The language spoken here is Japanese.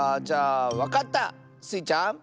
じゃあわかった！スイちゃん。